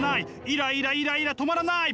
イライライライラ止まらない！